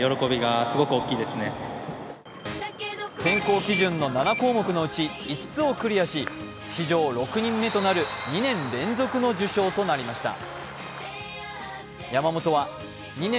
選考基準の７項目のうち５つをクリアし史上６人目となる２年連続の受賞となりました。